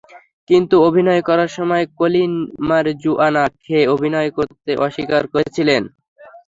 কিন্তু অভিনয় করার সময় কলিন মারিজুয়ানা খেয়ে অভিনয় করতে অস্বীকার করেছিেলন।